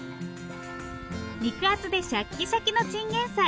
肉厚でシャッキシャキのチンゲンサイ。